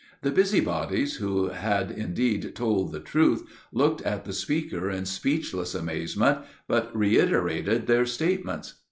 The busybodies, who had indeed told the truth, looked at the speaker in speechless amazement, but reiterated their statements.